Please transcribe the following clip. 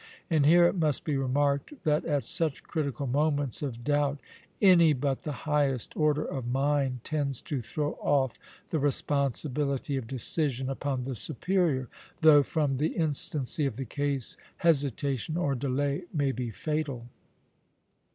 And here it must be remarked that at such critical moments of doubt any but the highest order of mind tends to throw off the responsibility of decision upon the superior, though from the instancy of the case hesitation or delay may be fatal.